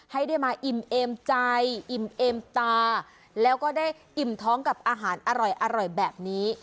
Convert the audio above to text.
ให้ได้มาอิ่มเอมใจอิ่มเอมตาแล้วก็ได้อิ่มท้องกับอาหารอร่อยแบบนี้